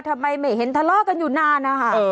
ทำไมไม่เห็นทะเลาะกันอยู่นานนะคะ